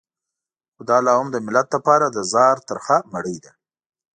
خو دا لا هم د ملت لپاره د زهر ترخه مړۍ ده.